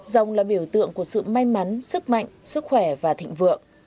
rồng là biểu tượng của sự may mắn sức mạnh sức khỏe và thịnh vượng